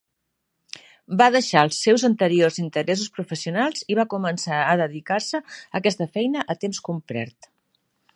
Va deixar els seus anteriors interessos professionals i va començar a dedicar-se a aquesta feina a temps complet.